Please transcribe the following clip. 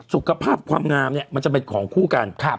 สุขภาพความงามเนี่ยมันจะเป็นของคู่กัน